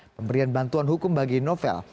pemberian bantuan hukum bagi novel